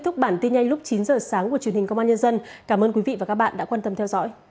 hãy đăng ký kênh để ủng hộ kênh của mình nhé